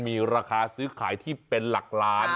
มีราคาซื้อขายที่เป็นหลักล้าน